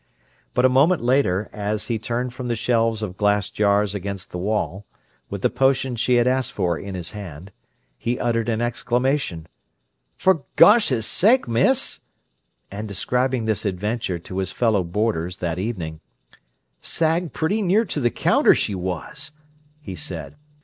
But a moment later, as he turned from the shelves of glass jars against the wall, with the potion she had asked for in his hand, he uttered an exclamation: "For goshes' sake, Miss!" And, describing this adventure to his fellow boarders, that evening, "Sagged pretty near to the counter, she was," he said.